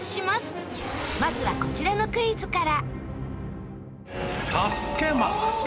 まずはこちらのクイズから。